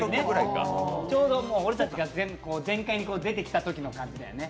ちょうど俺たちが、全開に出てきたときの感じだよね。